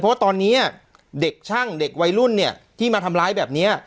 เพราะว่าตอนนี้เด็กช่างเด็กวัยรุ่นเนี่ยที่มาทำร้ายแบบนี้